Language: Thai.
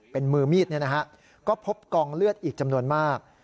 เป็นมือมีดเนี่ยนะฮะก็พบกองเลือดอีกจำนวนมาก